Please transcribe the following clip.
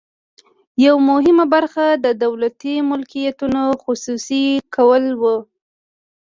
یوه مهمه برخه د دولتي ملکیتونو خصوصي کول وو.